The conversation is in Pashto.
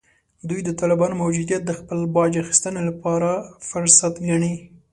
دوی د طالبانو موجودیت د خپل باج اخیستنې لپاره فرصت ګڼي